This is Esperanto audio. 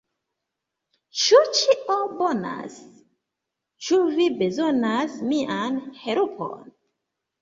Ĉu ĉio bonas? Ĉu vi bezonas mian helpon?